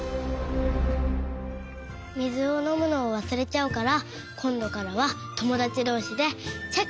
みずをのむのをわすれちゃうからこんどからはともだちどうしでチェックするね！